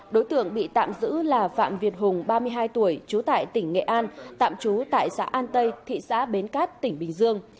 đối tượng bị tạm giữ là phạm việt hùng ba mươi hai tuổi trú tại tỉnh nghệ an tạm trú tại xã an tây thị xã bến cát tỉnh bình dương